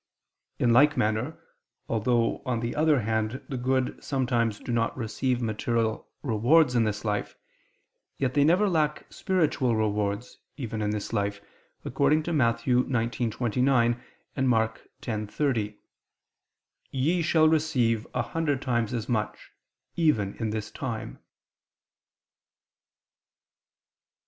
In like manner, although, on the other hand, the good sometimes do not receive material rewards in this life, yet they never lack spiritual rewards, even in this life, according to Matt. 19:29, and Mk. 10:30: "Ye shall receive a hundred times as much" even "in this time."